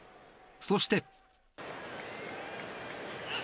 そして。